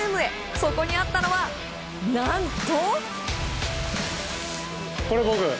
そこにあったのは、何と。